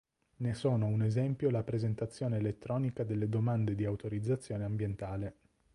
Ne sono un esempio la presentazione elettronica delle domande di autorizzazione ambientale.